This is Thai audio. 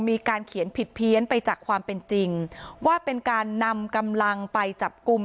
มีการเขียนผิดเพี้ยนไปจากความเป็นจริงว่าเป็นการนำกำลังไปจับกลุ่ม